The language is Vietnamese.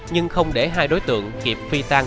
nhưng không để hai đối tượng kịp phi tan